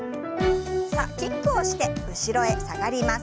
さあキックをして後ろへ下がります。